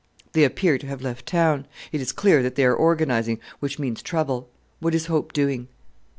"They appear to have left town. It is clear that they are organizing, which means trouble. What is Hope doing?"